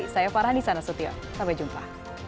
saya farhani sanasutio sampai jumpa